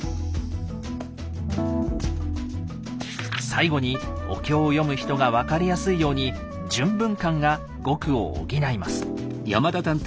最後にお経を読む人が分かりやすいように「潤文官」が語句を補います。